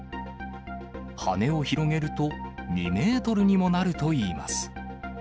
羽を広げると２メートルにもなるといいます。